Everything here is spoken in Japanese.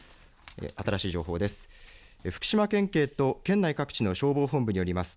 新しい情報です。